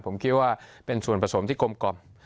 ผมคิดว่าเป็นส่วนผสมที่กลมกล่อม